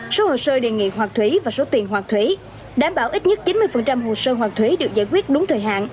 số hồ sơ đề nghị hoạt thuế và số tiền hoàn thuế đảm bảo ít nhất chín mươi hồ sơ hoàn thuế được giải quyết đúng thời hạn